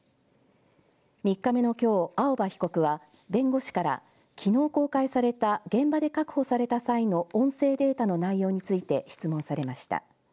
３日間のきょう、青葉被告は弁護士から、きのう公開された現場で確保された際の音声データの内容について質問されました。